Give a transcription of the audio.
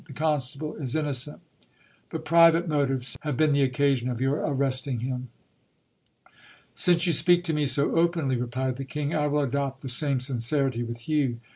The constable is innocent : but private motives have been the occasion of your arresting him. Since you speak to me so openly, replied the king, I will adopt the same sincerity with you.